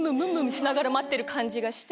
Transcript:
しながら待ってる感じがして。